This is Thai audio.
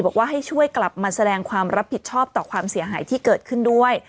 บอกว่าให้ช่วยกลับมาแสดงความรับผิดชอบต่อความเสียหายที่เกิดขึ้นด้วย